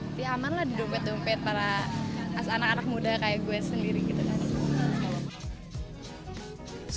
lebih aman lah di dompet dompet para anak anak muda kayak gue sendiri gitu kan